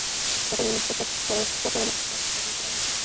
সকল ইউনিট, পশ্চাদপসরণের পথ শত্রুমুক্ত করা হয়েছে।